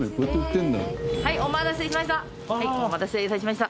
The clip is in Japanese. お待たせ致しました。